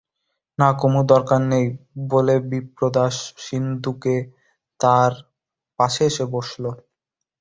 না কুমু, দরকার নেই বলে বিপ্রদাস সিন্দুকে তার পাশে এসে বসল।